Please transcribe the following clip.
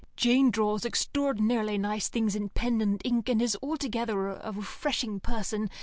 Jane draws extraordinarily nice things in pen and ink, and is altogether rather a refreshing person.